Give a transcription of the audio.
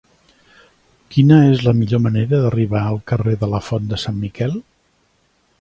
Quina és la millor manera d'arribar al carrer de la Font de Sant Miquel?